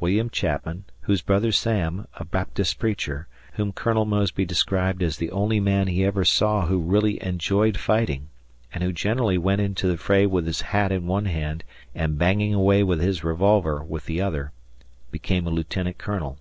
William Chapman, whose brother Sam, a Baptist preacher, whom Colonel Mosby described as the only man he ever saw who really enjoyed fighting, and who generally went into the fray with his hat in one hand and banging away with his revolver with the other, became a lieutenant colonel.